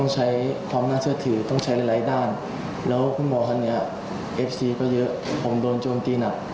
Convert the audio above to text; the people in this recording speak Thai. ใช้หลายด้านแล้วคุณหมอคนนี้เอฟซีก็เยอะผมโดนโจมตีหนัก